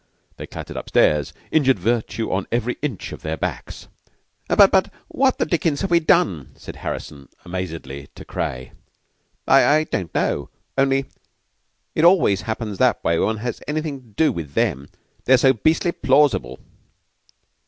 They clattered upstairs, injured virtue on every inch of their backs. "But but what the dickens have we done?" said Harrison, amazedly, to Craye. "I don't know. Only it always happens that way when one has anything to do with them. They're so beastly plausible."